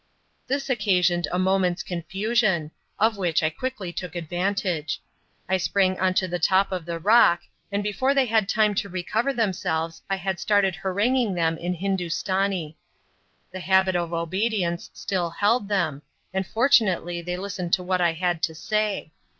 This occasioned a moment's confusion, of which I quickly took advantage. I sprang on to the top of the rock, and before they had time to recover themselves I had started haranguing them in Hindustani. The habit of obedience still held them, and fortunately they listened to what I had to say.